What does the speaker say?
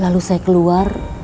lalu saya keluar